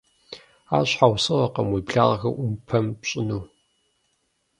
Ар щхьэусыгъуэкъым уи благъэхэр Ӏумпэм пщӀыну.